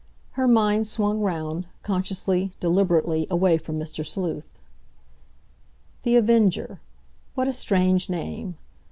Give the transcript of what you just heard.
Her mind swung round, consciously, deliberately, away from Mr. Sleuth. The Avenger? What a strange name!